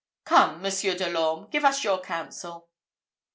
Come, Monsieur de l'Orme, give us your counsel."